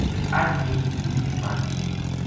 اج میری دھی کی باری ہے